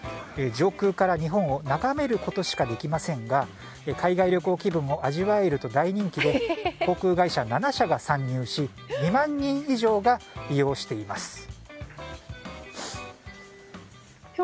上空から日本を眺めることしかできませんが海外旅行気分を味わえると大人気で航空会社７社が参入し２万人以上が利用しています。